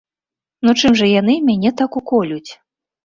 Ну чым жа яны мяне так уколюць?